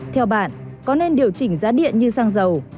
theo bạn có nên điều chỉnh giá điện như xăng dầu